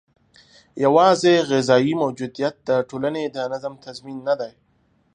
یوازې غذايي موجودیت د ټولنې د نظم تضمین نه دی.